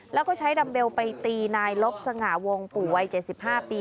แล้วก็ใช้ดำเบลไปตีนายลบสง่าวงปู่วัยเจ็ดสิบห้าปี